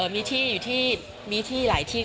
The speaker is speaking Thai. มีที่อยู่ที่มีที่หลายที่